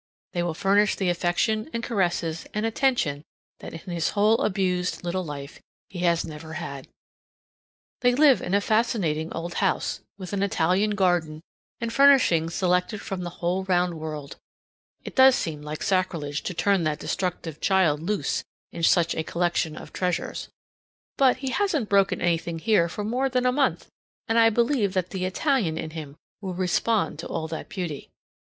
They will furnish the affection and caresses and attention that in his whole abused little life he has never had. They live in a fascinating old house with an Italian garden, and furnishings selected from the whole round world. It does seem like sacrilege to turn that destructive child loose in such a collection of treasures. But he hasn't broken anything here for more than a month, and I believe that the Italian in him will respond to all that beauty.